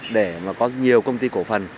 để mà có nhiều công ty cổ phần